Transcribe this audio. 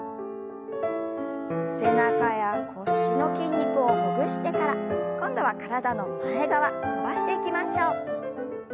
背中や腰の筋肉をほぐしてから今度は体の前側伸ばしていきましょう。